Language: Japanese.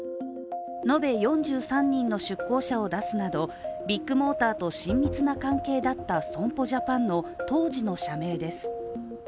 延べ４３人の出向者を出すなどビッグモーターと親密な関係だった損保ジャパンの当時の社名です。